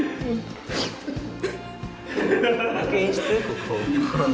ここ。